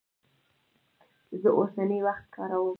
زه اوسنی وخت کاروم.